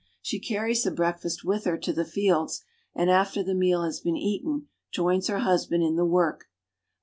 She carries the breakfast with her to the fields, and after the meal has been eaten joins her husband in the work.